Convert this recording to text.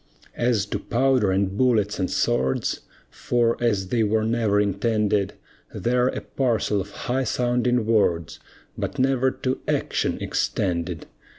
As to powder and bullets and swords, For, as they were never intended, They're a parcel of high sounding words, But never to action extended.